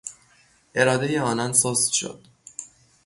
ارادهی آنان سست شد.